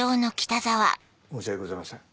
申し訳ございません。